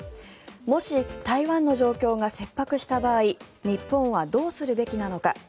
もし、台湾の状況が切迫した場合日本はどうするべきなのか。